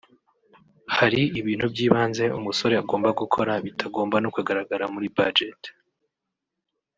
Hari ibintu by’ibanze umusore agomba gukora bitagomba no kugaragara muri budget